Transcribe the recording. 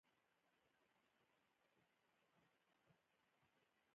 يو فلم The Beast of War په نوم مشهور دے.